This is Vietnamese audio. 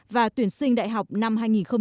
và tuyển sinh đại học năm hai nghìn một mươi bảy